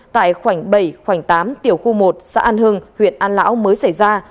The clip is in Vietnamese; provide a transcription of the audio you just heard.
tại khoảng bảy khoảng tám tiểu khu một xã an hưng huyện an lão mới xảy ra